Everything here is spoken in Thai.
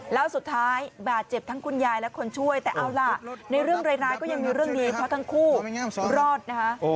แล้วสุดท้ายบาดเจ็บทั้งคุณยายและคนช่วยแต่เอาล่ะในเรื่องร้ายก็ยังมีเรื่องดีเพราะทั้งคู่รอดนะคะ